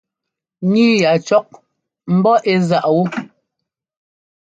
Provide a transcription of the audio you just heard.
Níi ya cɔ́k ḿbɔ́ ɛ́ záꞌ wú.